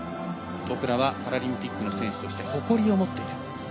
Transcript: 僕らはパラリンピックの選手として誇りを持っている。